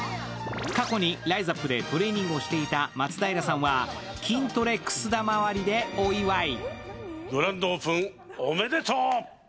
過去にライザップでトレーニングをしていた松平さんは筋トレくす玉割りでお祝い。